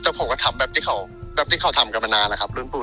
แต่ผมก็ทำแบบที่เขาแบบที่เขาทำกันมานานอะครับ